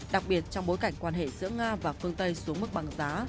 đặc biệt trong bối cảnh quan hệ giữa nga và phương tây xuống mức bằng giá